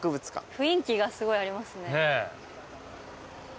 雰囲気がすごいありますね。